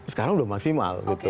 sekarang sudah maksimal gitu